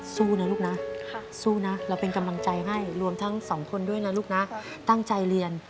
สู้นะลูกนะสู้นะเราเป็นกำลังใจให้รวมทั้งสองคนด้วยนะลูกนะตั้งใจเรียน